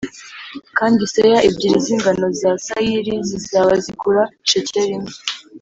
kandi seya ebyiri z ingano za sayiri zizaba zigura shekeli imwe